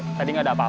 sudah di neraka sam